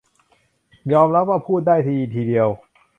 ยอมรับว่าพูดได้ดีทีเดียว